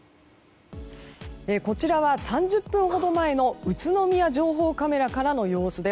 こちらは３０分ほど前の宇都宮情報カメラからの様子。